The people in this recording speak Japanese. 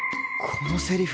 このセリフ